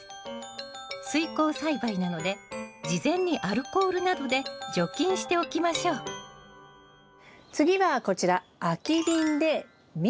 水耕栽培なので事前にアルコールなどで除菌しておきましょう次はこちら空き瓶でミントを育てます。